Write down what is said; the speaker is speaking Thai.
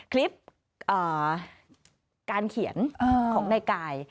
คลิปการเขียนของนายกาย